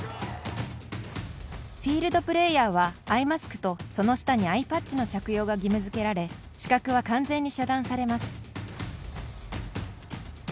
フィールドプレーヤーはアイマスクと、その下にアイパッチの着用が義務づけられ視覚は完全に遮断されます。